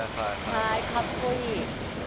格好いい。